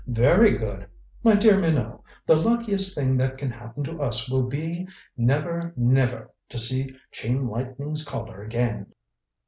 Very good! My dear Minot, the luckiest thing that can happen to us will be never, never to see Chain Lightning's Collar again!"